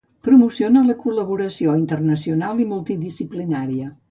Promociona la col·laboració internacional i multidisciplinària.